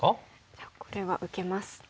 じゃあこれは受けます。